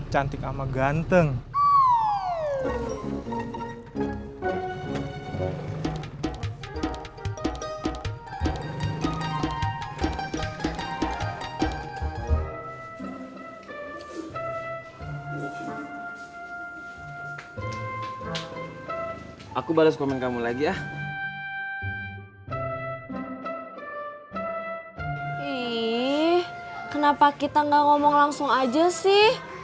cantik ama ganteng aku bales komen kamu lagi ya ih kenapa kita nggak ngomong langsung aja sih